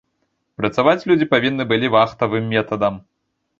Працаваць людзі павінны былі вахтавым метадам.